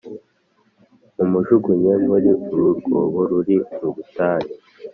Mumujugunye muri uru rwobo ruri mu butayu